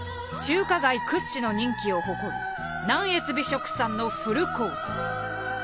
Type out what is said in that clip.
中華街屈指の人気を誇る南粤美食さんのフルコース。